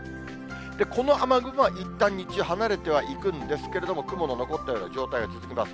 この雨雲はいったん、日中離れてはいくんですけれども、雲の残ったような状態が続きます。